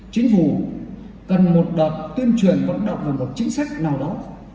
chính phủ cần một đợt tuyên truyền vận động bằng một chính sách nào đó